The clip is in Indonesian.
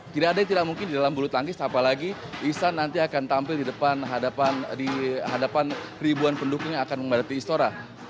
tidak ada yang tidak mungkin di dalam bulu tangkis apalagi ihsan nanti akan tampil di depan ribuan pendukung yang akan memadati istora